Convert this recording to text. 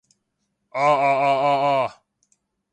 啊啊啊啊啊